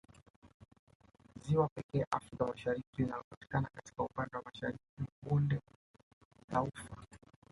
Ziwa pekee Afrika Mashariki linalopatikana katika upande wa mashariki mwa bonde la ufa